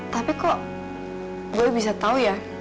tapi kok gue bisa tahu ya